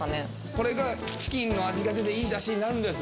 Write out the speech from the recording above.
これがチキンの味が出ていい出汁になるんです